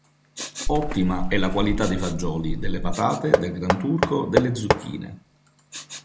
Ottima è la qualità dei fagioli, delle patate, del granturco, delle zucchine.